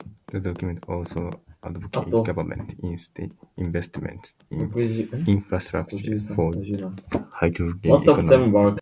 The document also advocated government investments in infrastructure for the hydrogen economy.